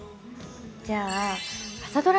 じゃあ「朝ドラ」